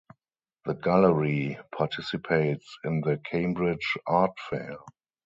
The gallery participates in the Cambridge Art Fair.